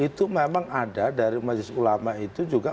itu memang ada dari majelis ulama itu juga